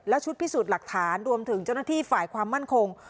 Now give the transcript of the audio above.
ชุดพิสูจน์หลักฐานรวมถึงเจ้าหน้าที่ฝ่ายความมั่นคง